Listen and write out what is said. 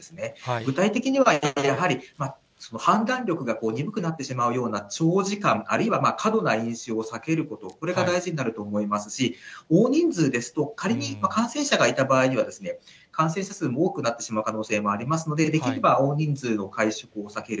具体的には、判断力が鈍くなってしまうような長時間、あるいは過度な飲酒を避けること、これが大事になると思いますし、大人数ですと、仮に感染者がいた場合には、感染者数も多くなってしまう可能性もありますので、できれば大人数の会食をさける。